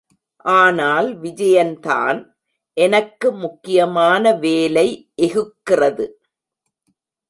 ஆனால் விஜயன் தான், எனக்கு முக்கியமான வேலை இகுக்கிறது.